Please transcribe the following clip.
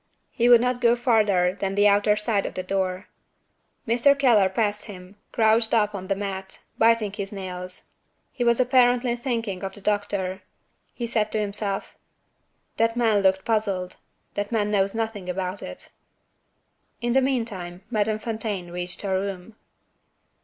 He would go no farther than the outer side of the door. Mr. Keller passed him, crouched up on the mat, biting his nails. He was apparently thinking of the doctor. He said to himself, "That man looked puzzled; that man knows nothing about it." In the meantime, Madame Fontaine reached her room.